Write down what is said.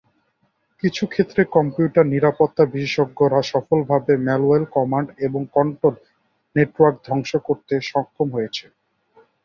কিছু ক্ষেত্রে, কম্পিউটার নিরাপত্তা বিশেষজ্ঞরা সফলভাবে malware command and control network ধ্বংস করতে সক্ষম হয়েছেন।